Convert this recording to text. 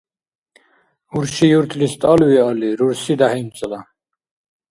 Урши юртлис тӀал виалли, рурси — дяхӀимцӀала.